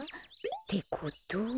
ってことは。